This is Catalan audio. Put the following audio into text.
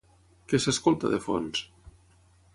Què s'escolta de fons?